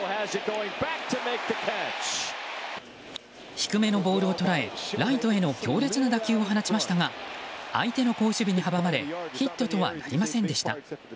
低めのボールを捉えライトへの強烈な打球を放ちましたが相手の好守備に阻まれヒットとはなりませんでした。